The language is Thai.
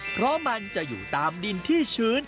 เพราะมันจะอยู่ตามดินที่ชื้น